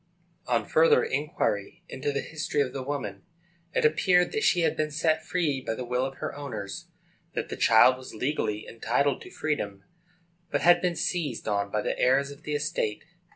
On further inquiry into the history of the woman, it appeared that she had been set free by the will of her owners; that the child was legally entitled to freedom, but had been seized on by the heirs of the estate.